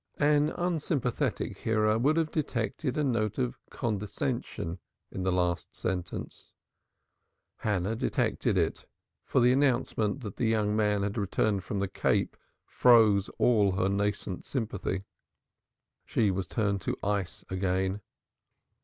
An unsympathetic hearer would have detected a note of condescension in the last sentence. Hannah detected it, for the announcement that the young man had returned from the Cape froze all her nascent sympathy. She was turned to ice again.